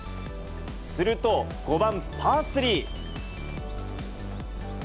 すると、５番パー３。